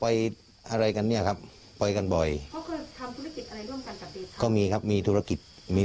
น่าจะไปเยี่ยมเยือนหรือว่าไปอะไรกันเนี่ยครับไปกันบ่อยก็มีครับมีธุรกิจมี